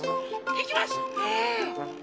いきます！